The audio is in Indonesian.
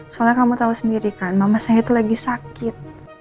soalnya kamu tahu sendiri kan mama saya itu lagi sakit